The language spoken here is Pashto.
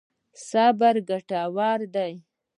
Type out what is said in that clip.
صبر ګټور دی.